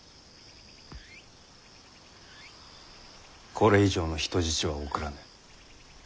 これ以上の人質は送らぬ。